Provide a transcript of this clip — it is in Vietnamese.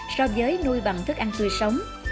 so với nuôi bằng thức ăn tươi sống